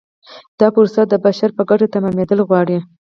دا پروسه د بشر په ګټه تمامیدل غواړي.